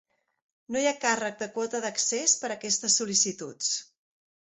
No hi ha càrrec de quota d'accés per a aquestes sol·licituds.